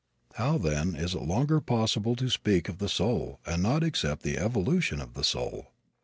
How, then, is it longer possible to speak of the soul and not accept the evolution of the soul?